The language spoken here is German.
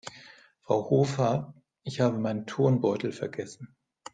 Frau Hofer, ich habe meinen Turnbeutel vergessen.